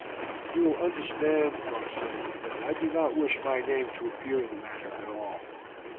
"You will understand," Mark said, "that I do not wish my name to appear in the matter at all.